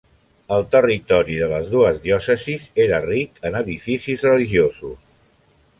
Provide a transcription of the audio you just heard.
El territori de les dues diòcesis era ric en edificis religiosos.